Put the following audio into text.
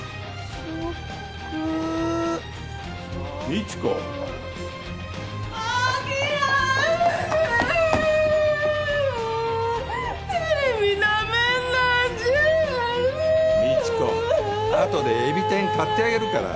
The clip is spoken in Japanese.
未知子あとでえび天買ってあげるから。